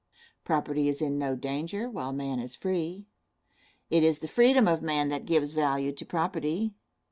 Property is in no danger while man is free. It is the freedom of man that gives value to property.